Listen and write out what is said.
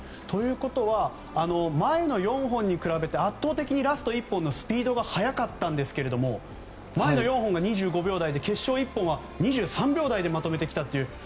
ということは前の４本に比べて圧倒的にラスト１本のスピードが速かったんですけど前の４本が２５秒台で決勝１本は２３秒台でまとめてきたという。